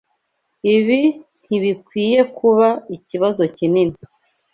Ibi ntibikwiye kuba ikibazo kinini.